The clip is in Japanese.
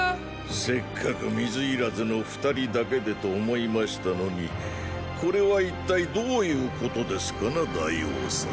せっかく水入らずの二人だけでと思いましたのにこれは一体どういうことですかな大王様？